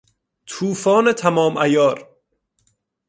توفان تمام عیار